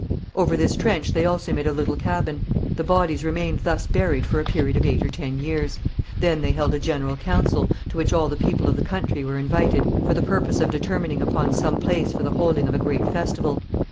Over this trench they also made a little cabin. The bodies remained thus buried for a period of eight or ten years. Then they held a general council, to which all the people of the country were invited, for the purpose of determining upon some place for the holding of a great festival.